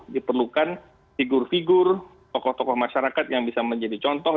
diperlukan figur figur tokoh tokoh masyarakat yang bisa menjadi contoh